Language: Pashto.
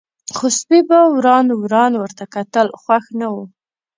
خو سپي په وران وران ورته کتل، خوښ نه و.